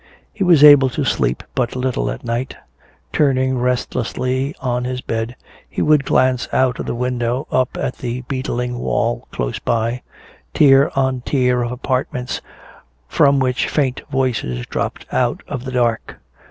He was able to sleep but little at night. Turning restlessly on his bed, he would glance out of the window up at the beetling wall close by, tier on tier of apartments from which faint voices dropped out of the dark.